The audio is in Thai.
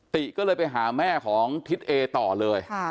ติก็เลยไปหาแม่ของทิศเอต่อเลย